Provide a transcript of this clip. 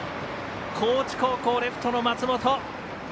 高知高校、レフトの松本。